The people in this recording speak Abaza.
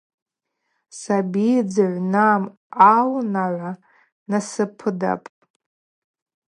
Саби дзыгӏвнам аунагӏва насыпыдапӏ.